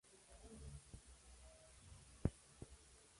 Daichi Matsuyama